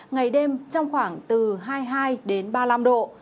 ngày đêm trong khoảng từ hai mươi hai đến ba mươi năm độ